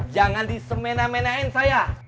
jangan disemenah menahin saya